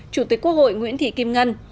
chủ tịch quốc hội nguyễn thị kim ngân